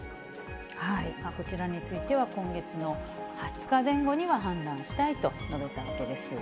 こちらについては、今月の２０日前後には判断したいと述べたわけです。